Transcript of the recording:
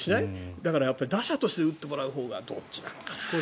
だから打者として打ってもらうほうがどっちがいいのかな？